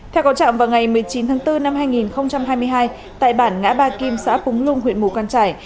theo cầu trọng vào ngày một mươi chín tháng bốn năm hai nghìn hai mươi hai tại bản ngã ba kim xã bùng luông huyện mù căn trải